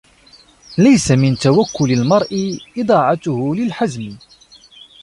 لَيْسَ مِنْ تَوَكُّلِ الْمَرْءِ إضَاعَتُهُ لِلْحَزْمِ